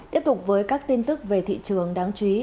tiếp tục với các tin tức về thị trường đáng chú ý